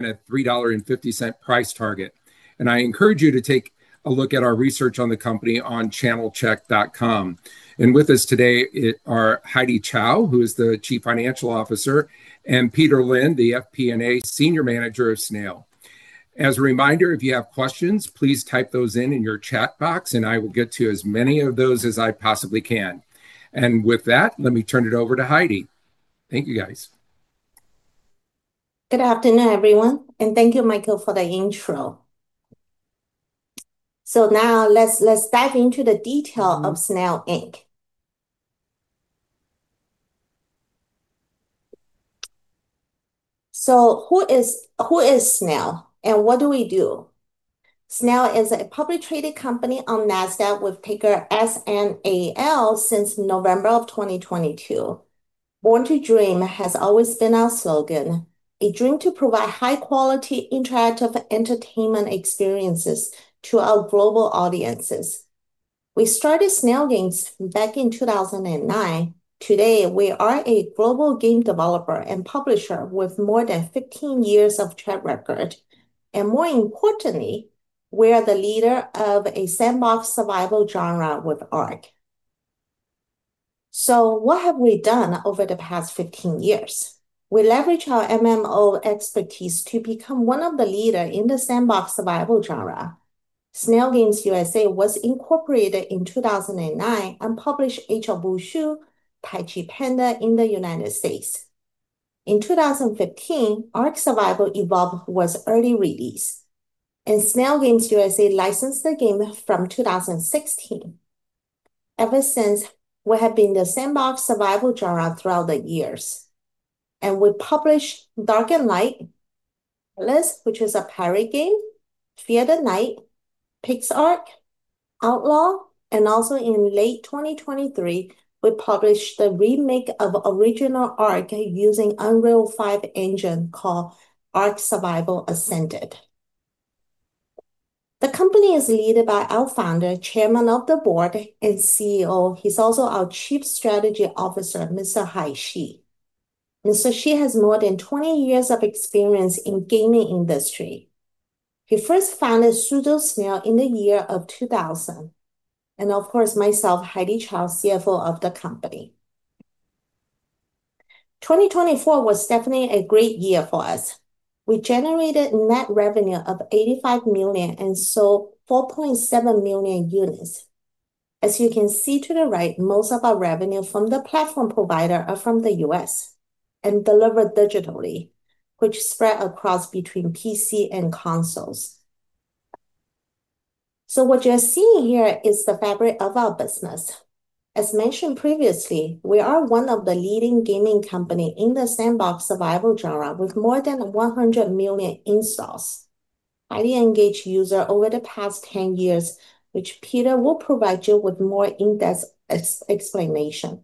At a $3.50 price target. I encourage you to take a look at our research on the company on channelcheck.com. With us today are Heidy Chow, who is the Chief Financial Officer, and Peter Lin, the FP&A Senior Manager of Snail. As a reminder, if you have questions, please type those in your chat box, and I will get to as many of those as I possibly can. With that, let me turn it over to Heidy. Thank you, guys. Good afternoon, everyone. Thank you, Michael, for the intro. Now let's dive into the details of Snail Inc. Who is Snail and what do we do? Snail is a publicly traded company on NASDAQ with ticker SNAL since November of 2022. Born to Dream has always been our slogan. A dream to provide high-quality, interactive entertainment experiences to our global audiences. We started Snail Games back in 2009. Today, we are a global game developer and publisher with more than 15 years of track record. More importantly, we are the leader of a sandbox survival genre with ARK. What have we done over the past 15 years? We leverage our MMO expertise to become one of the leaders in the sandbox survival genre. Snail Games USA was incorporated in 2009 and published Age of Wushu, Tai Chi Panda in the United States. In 2015, ARK: Survival Evolved was an early release. Snail Games USA licensed the game from 2016. Ever since, we have been the sandbox survival genre throughout the years. We published Dark and Light, Atlas, which is a pirate game, Fear the Night, PixARK, Outlaws of the Old West, and also in late 2023, we published the remake of the original ARK using the Unreal 5 engine called ARK: Survival Ascended. The company is led by our Founder, Chairman of the Board, and CEO. He's also our Chief Strategy Officer, Mr. Hai Shi. Mr. Shi has more than 20 years of experience in the gaming industry. He first founded Pseudosnail in the year of 2000. Of course, myself, Heidy Chow, CFO of the company. 2024 was definitely a great year for us. We generated net revenue of $85 million and sold 4.7 million units. As you can see to the right, most of our revenue from the platform provider is from the U.S. and delivered digitally, which spreads across between PC and consoles. What you're seeing here is the fabric of our business. As mentioned previously, we are one of the leading gaming companies in the sandbox survival genre with more than 100 million installs. Highly engaged users over the past 10 years, which Peter will provide you with more in-depth explanation.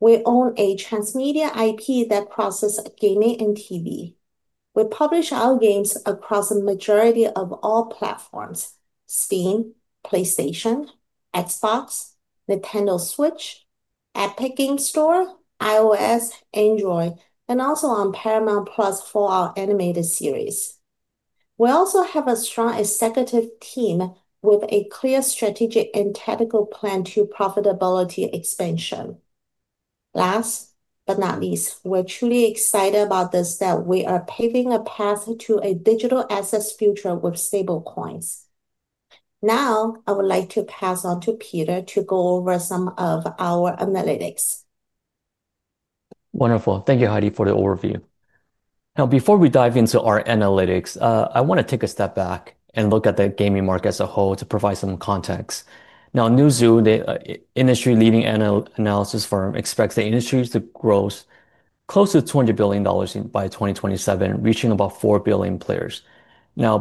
We own a transmedia IP that crosses gaming and TV. We publish our games across the majority of all platforms: Steam, PlayStation, Xbox, Nintendo Switch, Epic Games Store, iOS, Android, and also on Paramount+ for our animated series. We also have a strong executive team with a clear strategic and tactical plan for profitability expansion. Last but not least, we're truly excited about the fact that we are paving a path to a digital assets future with stablecoins. Now, I would like to pass on to Peter to go over some of our analytics. Wonderful. Thank you, Heidy, for the overview. Now, before we dive into our analytics, I want to take a step back and look at the gaming market as a whole to provide some context. NewZoo, the industry-leading analysis firm, expects the industry to grow close to $200 billion by 2027, reaching about 4 billion players.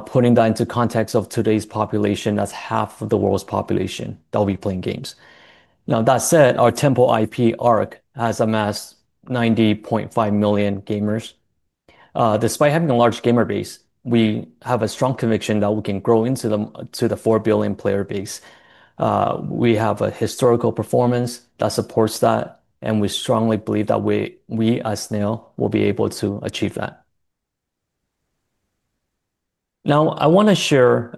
Putting that into context of today's population, that's half of the world's population that will be playing games. That said, our temple IP, ARK, has amassed 90.5 million gamers. Despite having a large gamer base, we have a strong conviction that we can grow into the 4 billion player base. We have a historical performance that supports that, and we strongly believe that we, as Snail, will be able to achieve that. I want to share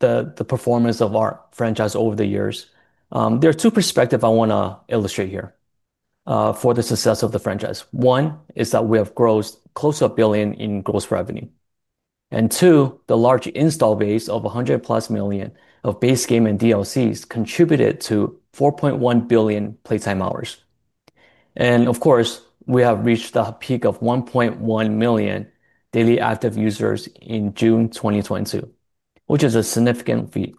the performance of our franchise over the years. There are two perspectives I want to illustrate here for the success of the franchise. One is that we have grown close to $1 billion in gross revenue. Two, the large install base of 100+ million of base game and DLCs contributed to 4.1 billion playtime hours. Of course, we have reached the peak of 1.1 million daily active users in June 2022, which is a significant feat.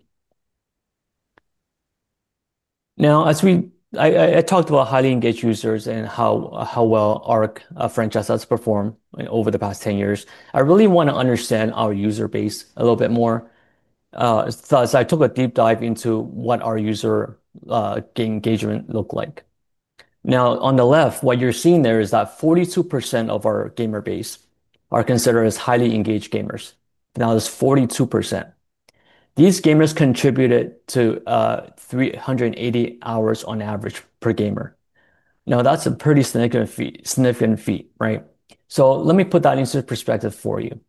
As we talked about highly engaged users and how well our franchise has performed over the past 10 years, I really want to understand our user base a little bit more. I took a deep dive into what our user engagement looked like. On the left, what you're seeing there is that 42% of our gamer base are considered as highly engaged gamers. That's 42%. These gamers contributed to 380 hours on average per gamer. That's a pretty significant feat, right? Let me put that into perspective for you.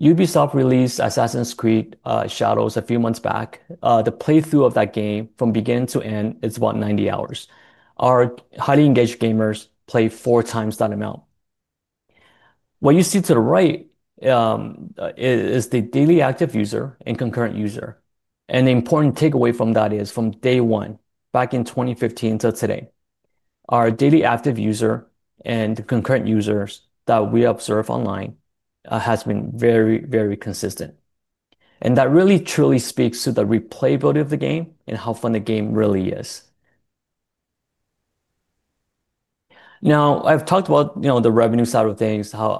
Ubisoft released Assassin's Creed Shadows a few months back. The playthrough of that game, from beginning to end, is about 90 hours. Our highly engaged gamers play four times that amount. What you see to the right is the daily active user and concurrent user. The important takeaway from that is, from day one, back in 2015 to today, our daily active user and concurrent users that we observe online have been very, very consistent. That really, truly speaks to the replayability of the game and how fun the game really is. I've talked about the revenue side of things, how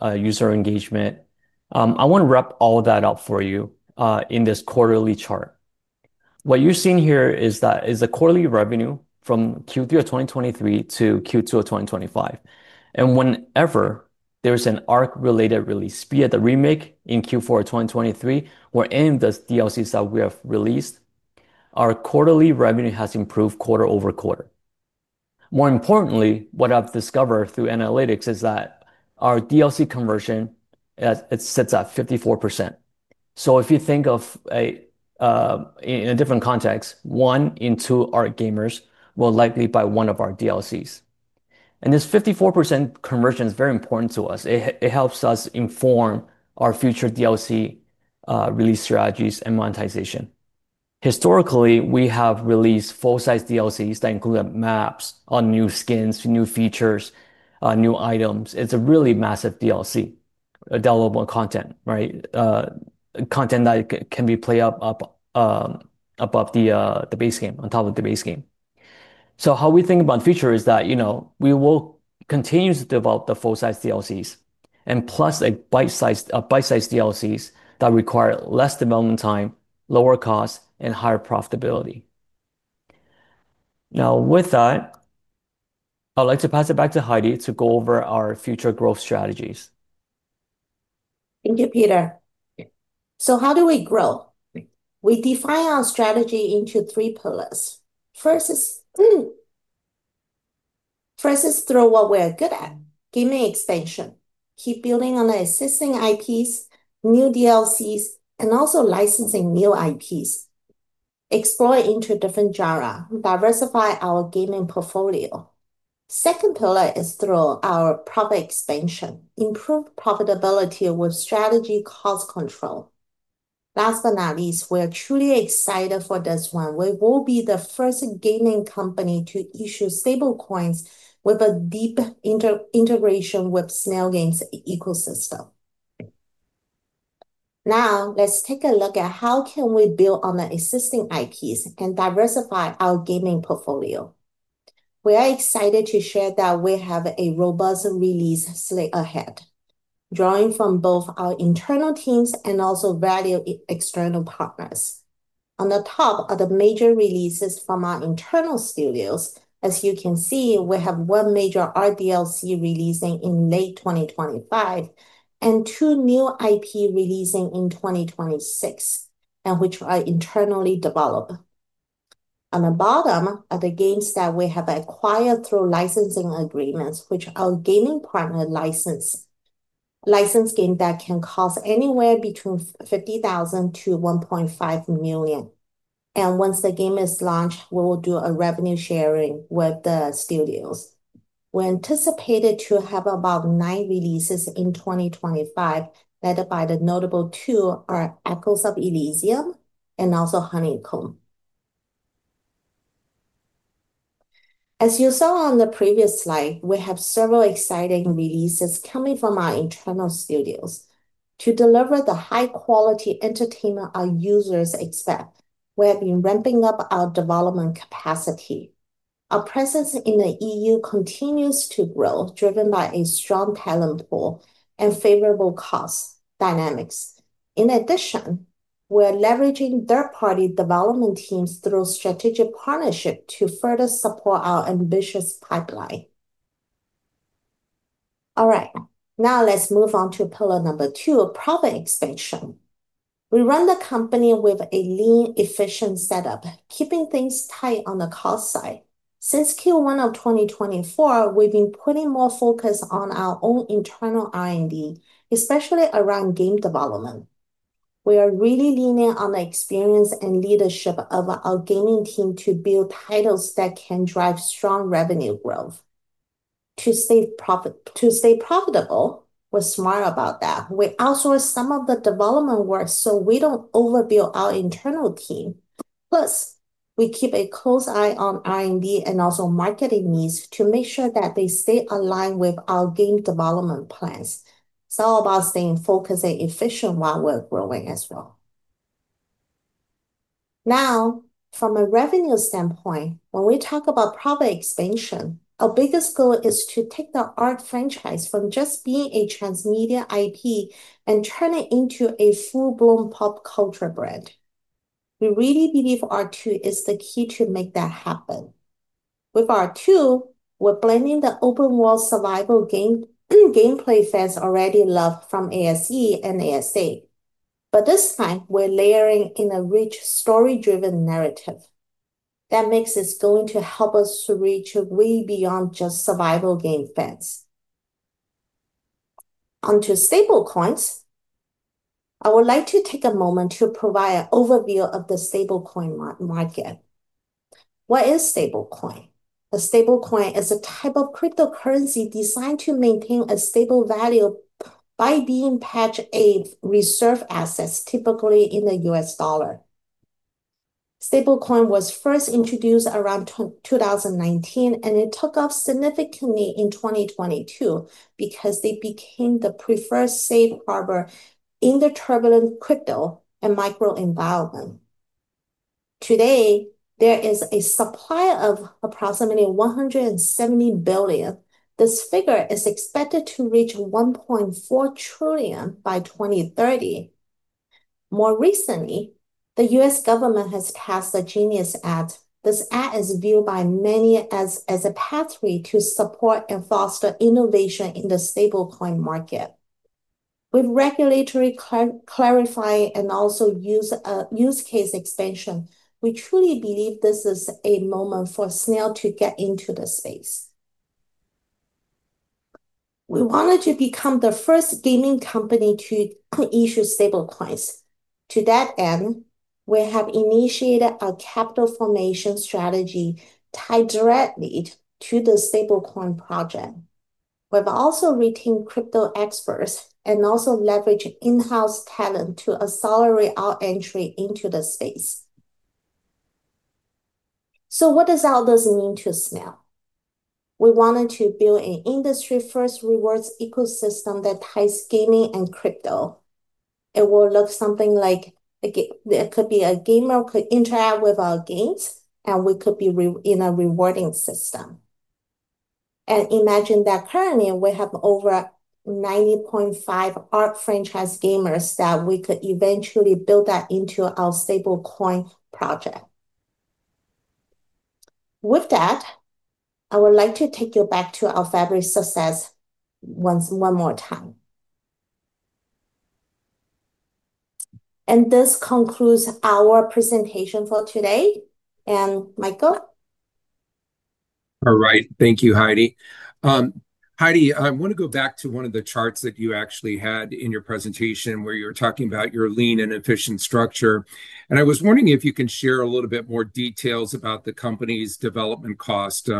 our user engagement. I want to wrap all that up for you in this quarterly chart. What you're seeing here is the quarterly revenue from Q3 2023 to Q2 2025. Whenever there's an ARK-related release, be it the remake in Q4 of 2023 or any of the DLCs that we have released, our quarterly revenue has improved quarter over quarter. More importantly, what I've discovered through analytics is that our DLC conversion sits at 54%. If you think of it in a different context, one in two ARK gamers will likely buy one of our DLCs. This 54% conversion is very important to us. It helps us inform our future DLC release strategies and monetization. Historically, we have released full-size DLCs that include maps, new skins, new features, new items. It's a really massive DLC, a downloadable content, right? Content that can be played up above the base game, on top of the base game. How we think about the future is that we will continue to develop the full-size DLCs plus bite-sized DLCs that require less development time, lower cost, and higher profitability. With that, I'd like to pass it back to Heidy to go over our future growth strategies. Thank you, Peter. So how do we grow? We define our strategy into three pillars. First is through what we're good at: gaming extension. Keep building on the existing IPs, new DLCs, and also licensing new IPs. Explore into different genres. Diversify our gaming portfolio. Second pillar is through our product expansion. Improve profitability with strategy cost control. Last but not least, we are truly excited for this one. We will be the first gaming company to issue stablecoins with a deep integration with Snail Inc.'s ecosystem. Now, let's take a look at how can we build on the existing IPs and diversify our gaming portfolio. We are excited to share that we have a robust release slate ahead, drawing from both our internal teams and also valued external partners. On the top are the major releases from our internal studios. As you can see, we have one major DLC releasing in late 2025 and two new IPs releasing in 2026, which are internally developed. On the bottom are the games that we have acquired through licensing agreements, which our gaming partners license. Licensed games that can cost anywhere between $50,000 to $1.5 million. Once the game is launched, we will do a revenue sharing with the studios. We're anticipated to have about nine releases in 2025, led by the notable two are Echoes of Elysium and also Honeycomb: The World Beyond. As you saw on the previous slide, we have several exciting releases coming from our internal studios. To deliver the high-quality entertainment our users expect, we have been ramping up our development capacity. Our presence in the EU continues to grow, driven by a strong talent pool and favorable cost dynamics. In addition, we are leveraging third-party development teams through strategic partnerships to further support our ambitious pipeline. All right, now let's move on to pillar number two, product expansion. We run the company with a lean, efficient setup, keeping things tight on the cost side. Since Q1 of 2024, we've been putting more focus on our own internal R&D, especially around game development. We are really leaning on the experience and leadership of our gaming team to build titles that can drive strong revenue growth. To stay profitable, we're smart about that. We outsource some of the development work so we don't overbuild our internal team. Plus, we keep a close eye on R&D and also marketing needs to make sure that they stay aligned with our game development plans. It's all about staying focused and efficient while we're growing as well. Now, from a revenue standpoint, when we talk about product expansion, our biggest goal is to take the ARK franchise from just being a transmedia IP and turn it into a full-blown pop culture brand. We really believe ARK 2 is the key to make that happen. With ARK 2, we're blending the open-world survival game gameplay fans already love from ARK: Survival Evolved and ARK: Survival Ascended. This time, we're layering in a rich, story-driven narrative. That is going to help us to reach way beyond just survival game fans. On to stablecoins, I would like to take a moment to provide an overview of the stablecoin market. What is stablecoin? A stablecoin is a type of cryptocurrency designed to maintain a stable value by being pegged to a reserve asset, typically in the U.S. dollar. Stablecoin was first introduced around 2019, and it took off significantly in 2022 because it became the preferred safe harbor in the turbulent crypto and micro environment. Today, there is a supply of approximately $170 billion. This figure is expected to reach $1.4 trillion by 2030. More recently, the U.S. government has passed the Genius Act. This act is viewed by many as a pathway to support and foster innovation in the stablecoin market. With regulatory clarifying and also a use case extension, we truly believe this is a moment for Snail Inc. to get into the space. We wanted to become the first gaming company to issue stablecoins. To that end, we have initiated a capital formation strategy tied directly to the stablecoin project. We've also retained crypto experts and also leveraged in-house talent to accelerate our entry into the space. What does all this mean to Snail Inc.? We wanted to build an industry-first rewards ecosystem that ties gaming and crypto. It will look something like a game. It could be a gamer could interact with our games, and we could be in a rewarding system. Imagine that currently, we have over 90.5 million ARK franchise gamers that we could eventually build that into our stablecoin project. With that, I would like to take you back to our fabric success one more time. This concludes our presentation for today. Michael. All right. Thank you, Heidy. Heidy, I want to go back to one of the charts that you actually had in your presentation where you were talking about your lean and efficient structure. I was wondering if you can share a little bit more details about the company's development cost,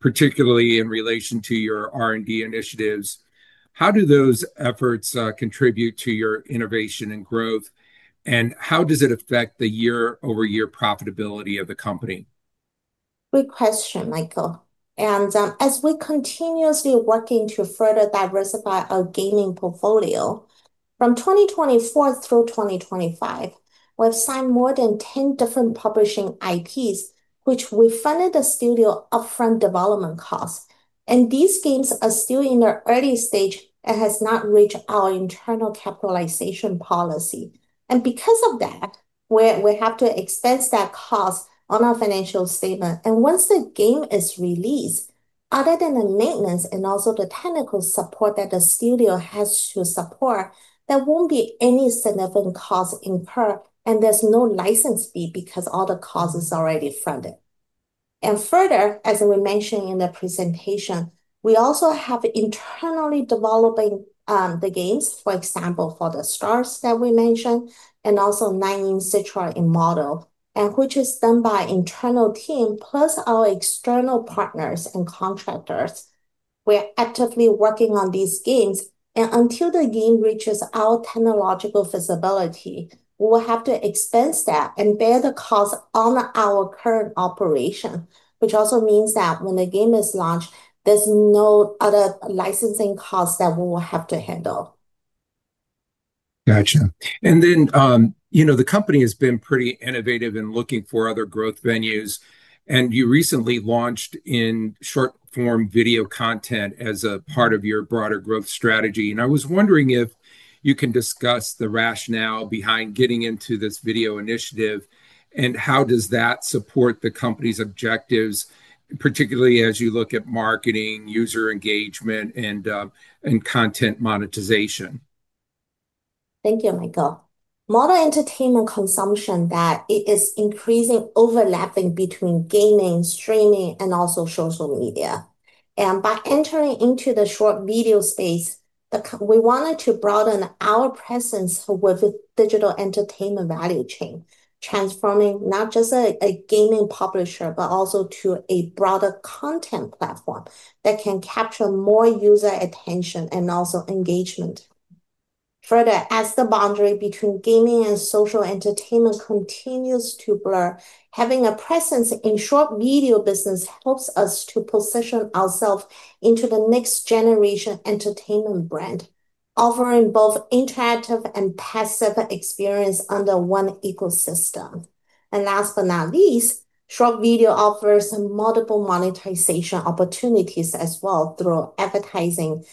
particularly in relation to your R&D initiatives. How do those efforts contribute to your innovation and growth? How does it affect the year-over-year profitability of the company? Good question, Michael. As we continuously work to further diversify our gaming portfolio, from 2024 through 2025, we've signed more than 10 different publishing IPs, which we funded the studio upfront development costs. These games are still in their early stage and have not reached our internal capitalization policy. Because of that, we have to expense that cost on our financial statement. Once the game is released, other than the maintenance and also the technical support that the studio has to support, there won't be any significant cost incurred. There's no license fee because all the costs are already funded. Further, as we mentioned in the presentation, we also have internally developed the games, for example, for the stars that we mentioned, and also Nine Inc. Citra and Model, which is done by an internal team plus our external partners and contractors. We're actively working on these games. Until the game reaches our technological feasibility, we will have to expense that and bear the cost on our current operation, which also means that when the game is launched, there's no other licensing costs that we will have to handle. Gotcha. The company has been pretty innovative in looking for other growth venues. You recently launched in short-form video content as a part of your broader growth strategy. I was wondering if you can discuss the rationale behind getting into this video initiative and how that supports the company's objectives, particularly as you look at marketing, user engagement, and content monetization. Thank you, Michael. Model entertainment consumption is increasingly overlapping between gaming, streaming, and also social media. By entering into the short video space, we wanted to broaden our presence with a digital entertainment value chain, transforming not just a gaming publisher, but also to a broader content platform that can capture more user attention and also engagement. Further, as the boundary between gaming and social entertainment continues to blur, having a presence in the short video business helps us to position ourselves into the next-generation entertainment brand, offering both interactive and passive experiences under one ecosystem. Last but not least, short video offers multiple monetization opportunities as well through advertising,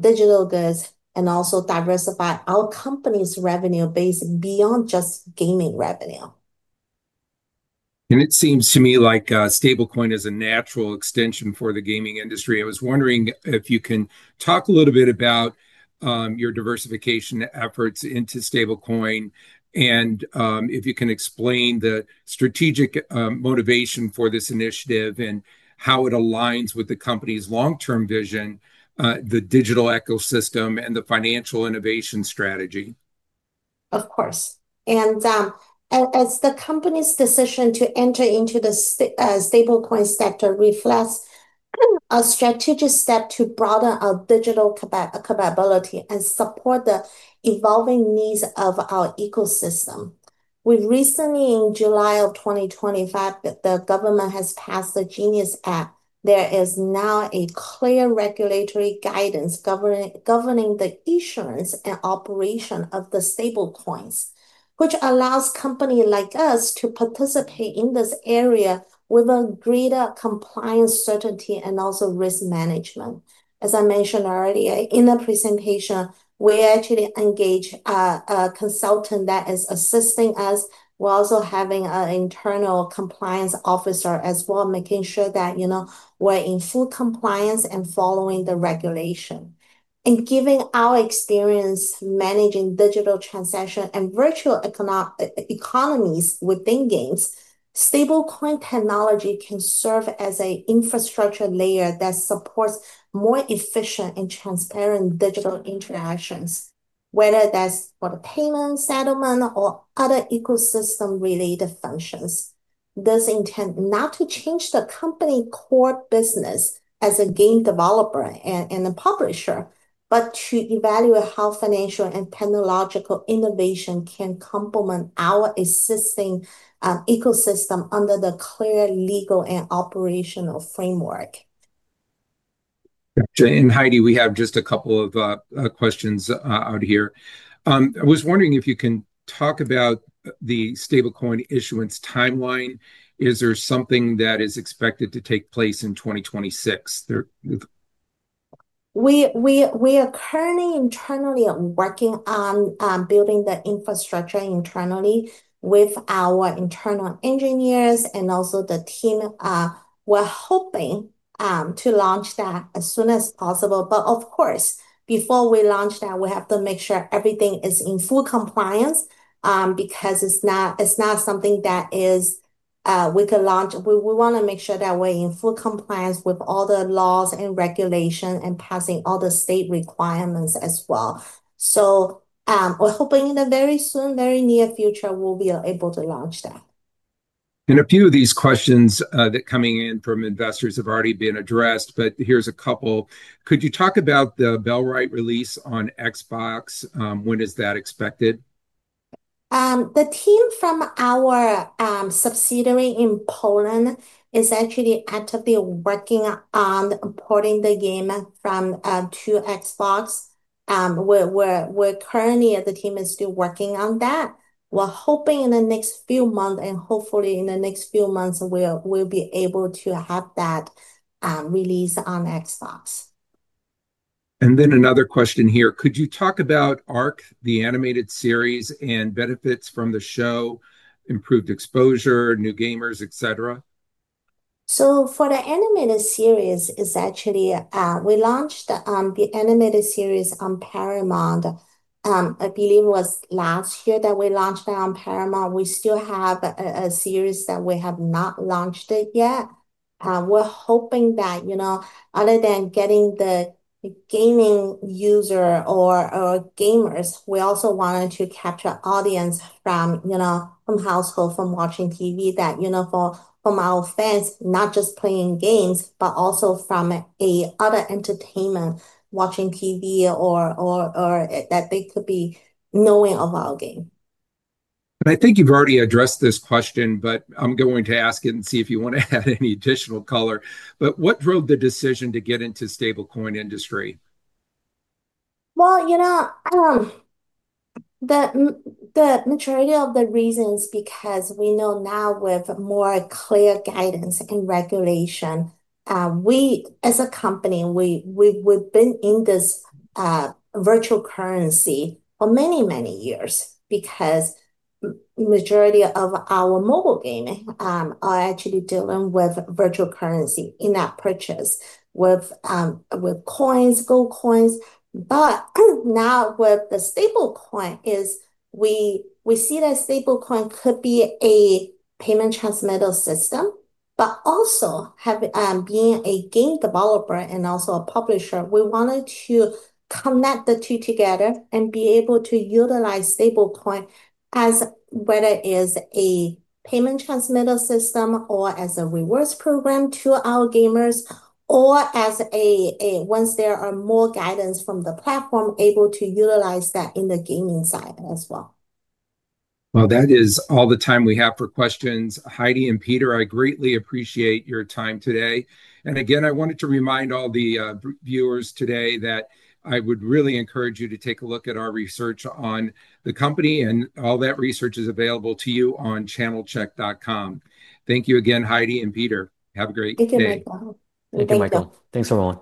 digital goods, and also diversifying our company's revenue base beyond just gaming revenue. It seems to me like stablecoin is a natural extension for the gaming industry. I was wondering if you can talk a little bit about your diversification efforts into stablecoin, if you can explain the strategic motivation for this initiative, and how it aligns with the company's long-term vision, the digital ecosystem, and the financial innovation strategy. Of course. As the company's decision to enter into the stablecoin sector reflects a strategic step to broaden our digital capability and support the evolving needs of our ecosystem, we recently, in July of 2025, the government has passed the Genius Act. There is now a clear regulatory guidance governing the issuance and operation of the stablecoins, which allows companies like us to participate in this area with a greater compliance certainty and also risk management. As I mentioned earlier in the presentation, we actually engage a consultant that is assisting us. We're also having an internal compliance officer as well, making sure that, you know, we're in full compliance and following the regulation. Given our experience managing digital transactions and virtual economies within games, stablecoin technology can serve as an infrastructure layer that supports more efficient and transparent digital interactions, whether that's for the payment, settlement, or other ecosystem-related functions. This intends not to change the company's core business as a game developer and a publisher, but to evaluate how financial and technological innovation can complement our existing ecosystem under the clear legal and operational framework. Heidy, we have just a couple of questions out here. I was wondering if you can talk about the stablecoin issuance timeline. Is there something that is expected to take place in 2026? We are currently working on building the infrastructure internally with our internal engineers and also the team. We're hoping to launch that as soon as possible. Of course, before we launch that, we have to make sure everything is in full compliance because it's not something that we could launch. We want to make sure that we're in full compliance with all the laws and regulations and passing all the state requirements as well. We're hoping in the very near future, we'll be able to launch that. A few of these questions that are coming in from investors have already been addressed, but here's a couple. Could you talk about the Bellwright release on Xbox? When is that expected? The team from our subsidiary in Poland is actually actively working on porting the game to Xbox. The team is still working on that. We're hoping in the next few months, and hopefully in the next few months, we'll be able to have that release on Xbox. Could you talk about ARK, the animated series, and benefits from the show, improved exposure, new gamers, et cetera? For the animated series, we launched the animated series on Paramount+. I believe it was last year that we launched that on Paramount+. We still have a series that we have not launched yet. We're hoping that, other than getting the gaming user or gamers, we also wanted to capture audience from households, from watching TV, that, for our fans, not just playing games, but also from other entertainment, watching TV, or that they could be knowing of our game. I think you've already addressed this question, but I'm going to ask it and see if you want to add any additional color. What drove the decision to get into the stablecoin industry? The majority of the reasons are because we know now with more clear guidance and regulation, we as a company, we've been in this virtual currency for many, many years because the majority of our mobile gaming are actually dealing with virtual currency in that purchase with coins, gold coins. Now with the stablecoin, we see that stablecoin could be a payment transmitter system. Also, being a game developer and also a publisher, we wanted to connect the two together and be able to utilize stablecoin as whether it is a payment transmitter system or as a rewards program to our gamers, or as a, once there are more guidance from the platform, able to utilize that in the gaming side as well. That is all the time we have for questions. Heidy and Peter, I greatly appreciate your time today. I wanted to remind all the viewers today that I would really encourage you to take a look at our research on the company, and all that research is available to you on channelcheck.com. Thank you again, Heidy and Peter. Have a great day. Thank you, Michael. Thank you, Michael. Thanks, everyone.